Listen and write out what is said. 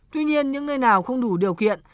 tuy nhiên những nơi nào không đủ điều kiện